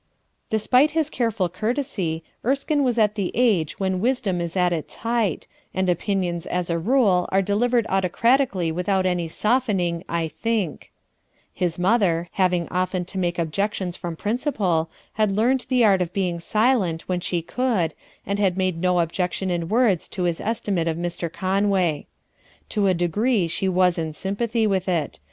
" Despite his careful courtesy Erskine was at the age when wisdom is at its height, and opin ions as a rule are delivered autocratically with out any softening "I think/' His mother, having often to make objections from principle, had learned the art of being silent when she could, and she had made no objection in words to his estimate of Mr. Conway. To a degree she was in sympathy with it.